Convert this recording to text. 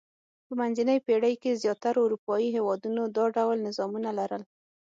په منځنۍ پېړۍ کې زیاترو اروپايي هېوادونو دا ډول نظامونه لرل.